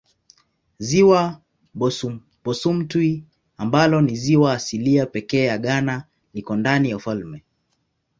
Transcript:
Ziwa Bosumtwi ambalo ni ziwa asilia pekee ya Ghana liko ndani ya ufalme.